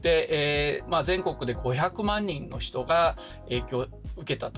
全国で５００万人の人が影響を受けたと。